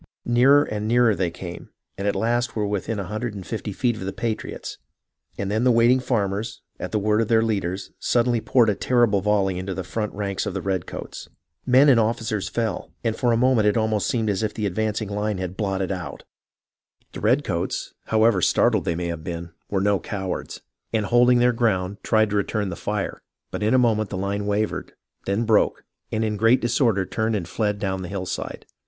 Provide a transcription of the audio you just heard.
Nearer and nearer they came, and at last were within a hundred and fifty feet of the patriots, and then the waiting farmers, at the word of their leaders, suddenly poured a terrible volley into the front ranks of the red coats. Men and ofificers fell, and for a moment it almost seemed as if the advancing line had been blotted out. The redcoats, however startled they may have been, were no cowards, and holding their ground, tried to return the fire, but in a moment the Hne wavered, then broke, 66 HISTORY OF THE AMERICAN REVOLUTION and in great disorder turned and fled down the hillside.